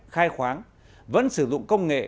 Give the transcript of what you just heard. khai khoáng vẫn sử dụng công nghệ